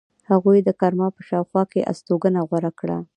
هغوی د کرمان په شاوخوا کې استوګنه غوره کړې.